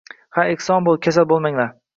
Ha eson bo’l, kasal bo’lmanglar...